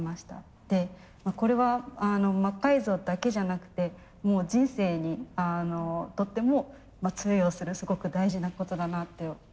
これは魔改造だけじゃなくてもう人生にとっても通用するすごく大事なことだなって思いました。